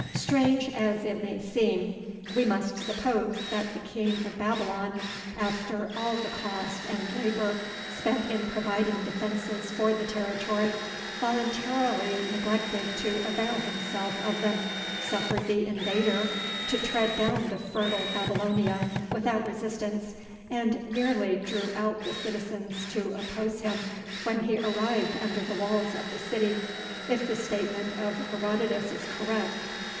Strange as it may seem, we must suppose that the king of Babylon, after all the cost and labor spent in providing defences for the territory, voluntarily neglected to avail himself of them, suffered the invader to tread down the fertile Babylonia without resistance, and merely drew out the citizens to oppose him when he arrived under the walls of the city if the statement of Herodotus is correct.